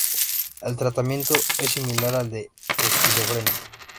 El tratamiento es similar al de la esquizofrenia.